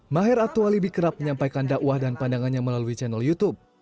maher atualibi kerap menyampaikan dakwah dan pandangannya melalui channel youtube